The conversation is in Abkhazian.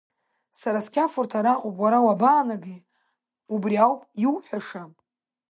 Сара сқьафурҭа араҟоуп, уара уабаанагеи, убри ауп иуҳәаша!